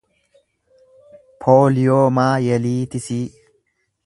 pooliyoomaayeliitisii